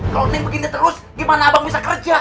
kalo neng begini terus gimana abang bisa kerja